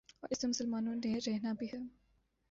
اور اس میں مسلمانوں نے رہنا بھی ہے۔